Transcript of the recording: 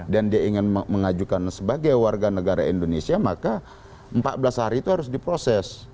dan dia ingin mengajukan sebagai warga negara indonesia maka empat belas hari itu harus diproses